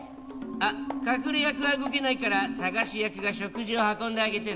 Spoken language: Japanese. あっ隠れ役は動けないから探し役が食事を運んであげてね。